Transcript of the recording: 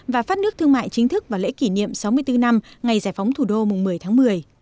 và phát nước thương mại chính thức và lễ kỷ niệm sáu mươi bốn năm ngày giải phóng thủ đô mùng một mươi tháng một mươi